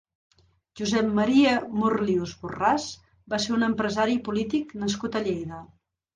Josep Maria Morlius Borràs va ser un empresari i polític nascut a Lleida.